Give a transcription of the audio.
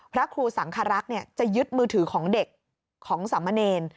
พระครูสังครักษ์จะยึดมือถือของเด็กของสามเณร